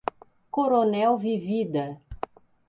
Coronel Vivida